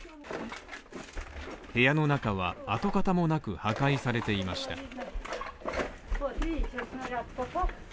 部屋の中は跡形もなく破壊されていました。